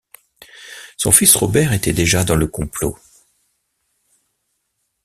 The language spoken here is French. Son fils Robert était déjà dans le complot.